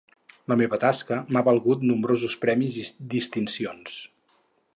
La meva tasca m'ha valgut nombrosos premis i distincions.